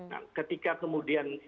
nah ketika kemudian